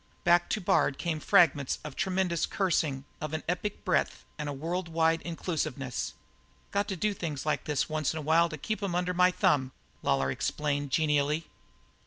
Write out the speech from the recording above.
Back to Bard came fragments of tremendous cursing of an epic breadth and a world wide inclusiveness. "Got to do things like this once in a while to keep 'em under my thumb," Lawlor explained genially.